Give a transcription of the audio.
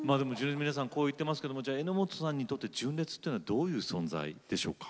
皆さんこう言ってますけども榎本さんにとって純烈というのはどういう存在でしょうか？